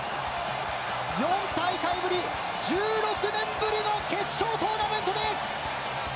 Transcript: ４大会ぶり、１６年ぶりの決勝トーナメントです。